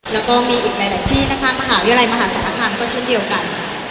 แล้วก็มีอีกหลายที่นะคะมหาวิทยาลัยมหาสารคามก็เช่นเดียวกัน